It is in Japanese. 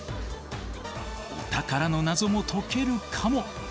お宝のナゾも解けるかも。